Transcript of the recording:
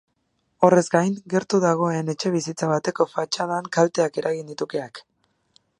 Horrez gain, gertu dagoen etxebizitza bateko fatxadan kalteak eragin ditu keak.